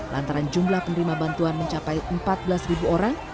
lantaran jumlah penerima bantuan mencapai empat belas orang